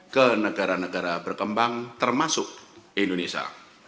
ke negara negara berkembang termasuk indonesia